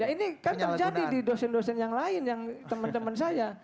ya ini kan terjadi di dosen dosen yang lain yang temen temen saya